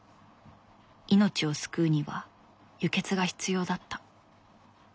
命を救うには輸血が必要だった。